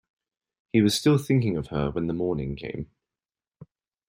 He was still thinking of her when the morning came.